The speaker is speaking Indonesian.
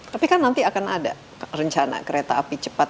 tapi kan nanti akan ada rencana kereta api cepat